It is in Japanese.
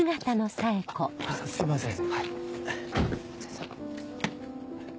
あっすいません。